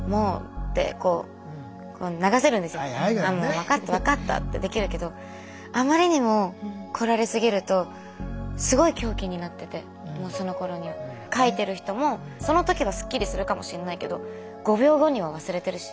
分かった分かったってできるけどあまりにもこられすぎるとすごい凶器になっててそのころには。書いてる人もその時はすっきりするかもしれないけど５秒後には忘れてるし。